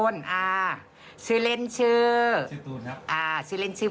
พาเราไปทำงานพาเรามาพรุ่งเทพโดยที่ว่าไม่เคยบ่น